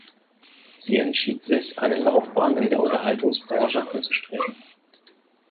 Sie entschied sich eine Laufbahn in der Unterhaltungsbranche anzustreben.